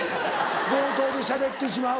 冒頭でしゃべってしまう。